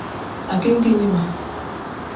Agegeyiwa.